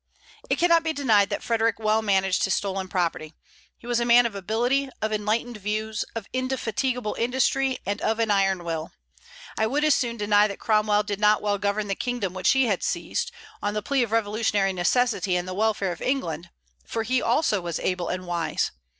It cannot be denied that Frederic well managed his stolen property. He was a man of ability, of enlightened views, of indefatigable industry, and of an iron will. I would as soon deny that Cromwell did not well govern the kingdom which he had seized, on the plea of revolutionary necessity and the welfare of England, for he also was able and wise.